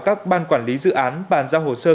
các ban quản lý dự án bàn giao hồ sơ